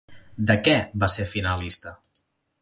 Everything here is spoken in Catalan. De què va ser finalista?